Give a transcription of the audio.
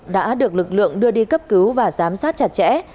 đã được lực lượng đưa đi cấp cứu và giám sát chặt chẽ